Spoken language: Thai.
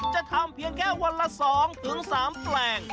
จะทำเพียงแค่วันละ๒๓แปลง